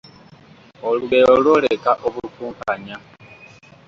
Olugero lwoleka obukumpanya